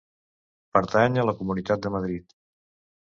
Pertany a la Comunitat de Madrid.